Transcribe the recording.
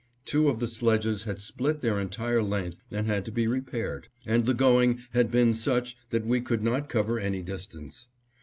Two of the sledges had split their entire length and had to be repaired, and the going had been such that we could not cover any distance.